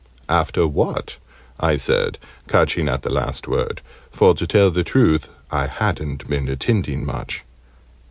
"After what?" I said, catching at the last word, for, to tell the truth, I hadn't been attending much.